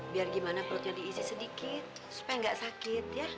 biar gimana perutnya diisi sedikit supaya nggak sakit ya